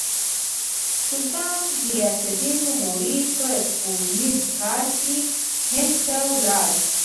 سلطان غیاث الدین غوري په سپوږمیز کال کې هند ته ولاړ.